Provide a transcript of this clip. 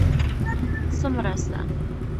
_څه مرسته؟